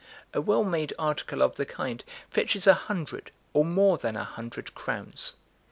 A well made article of the kind fetches a hundred, or more than a hundred crowns.